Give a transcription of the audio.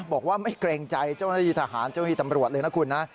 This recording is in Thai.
บอกว่าไม่เกรงใจเจ้าหน้าที่ทหารเจ้าหน้าที่ตำรวจเลยนะคุณนะ